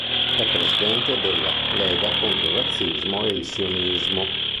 È presidente della "Lega contro il razzismo e il sionismo"-